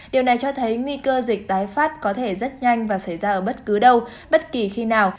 điều này cho thấy nguy cơ dịch tái phát có thể rất nhanh và xảy ra ở bất cứ đâu bất kỳ khi nào